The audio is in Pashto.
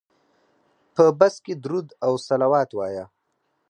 په بس کې درود او صلوات وایه.